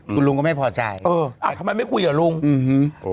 คุณลุงก็ไม่ปนชายเอออ่ะทำไมไม่คุยกับลุงอื้อฮือ